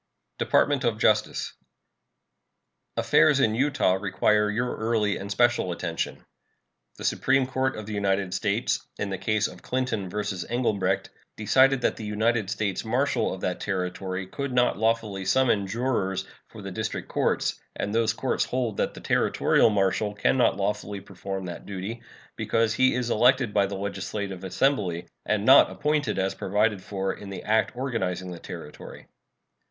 DEPARTMENT OF JUSTICE. Affairs in Utah require your early and special attention. The Supreme Court of the United States, in the case of Clinton vs. Englebrecht, decided that the United States marshal of that Territory could not lawfully summon jurors for the district courts; and those courts hold that the Territorial marshal can not lawfully perform that duty, because he is elected by the legislative assembly, and not appointed as provided for in the act organizing the Territory.